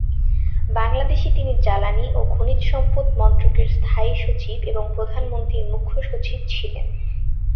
বাংলাদেশে তিনি জ্বালানি ও খনিজ সম্পদ মন্ত্রকের স্থায়ী সচিব এবং প্রধানমন্ত্রীর মূখ্য সচিব ছিলেন।